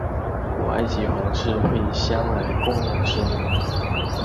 古埃及皇室会以香来供养神明。